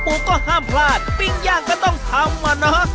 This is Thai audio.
ปูก็ห้ามพลาดปิ้งยากก็ต้องทำอะ